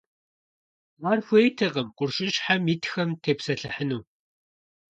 Ар хуейтэкъым къуршыщхьэм итхэм тепсэлъыхьыну.